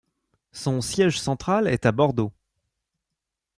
Son siège central est à Bordeaux.